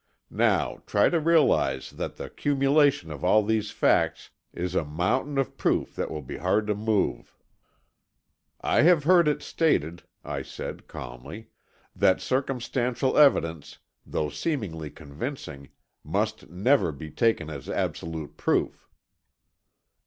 Now, try to realize that the cumulation of all these facts is a mountain of proof that will be hard to move." "I have heard it stated," I said, calmly, "that circumstantial evidence, though seemingly convincing, must never be taken as absolute proof."